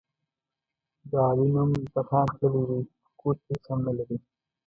د علي نوم د خان تللی دی، خو کور کې هېڅ هم نه لري.